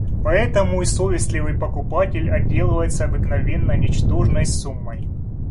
Поэтому и совестливый покупатель отделывается обыкновенно ничтожной суммой.